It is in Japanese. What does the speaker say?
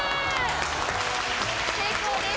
成功です！